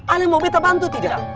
ale mau betta bantu tidak